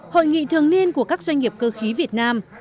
hội nghị thường niên của các doanh nghiệp cơ khí việt nam